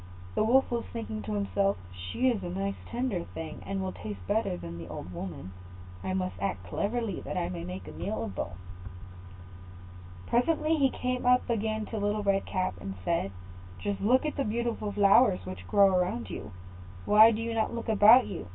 The Wolf was thinking to himself, "She is a nice tender thing, and will taste better than the old woman; I must act cleverly, that I may make a meal of both." [Illustration: THE VALIANT LITTLE TAILOR.] Presently he came up again to Little Red Cap, and said, "Just look at the beautiful flowers which grow around you; why do you not look about you?